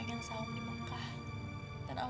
pengen saham di makkah